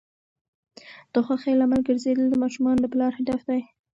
د خوښۍ لامل ګرځیدل د ماشومانو د پلار هدف دی.